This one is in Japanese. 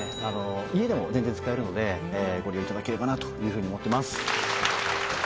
家でも全然使えるのでご利用いただければなというふうに思ってます